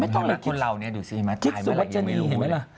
คลิกศุวรรษณีย์เห็นไหมล่ะ